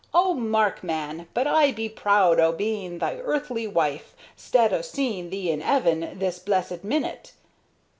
Oh, Mark, man! but I be proud o' being thy earthly wife, 'stead o' seeing thee in 'eaven this blessed minute."